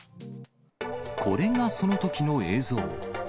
これがそのときの映像。